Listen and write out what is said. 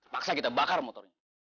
paksa kita bakar motornya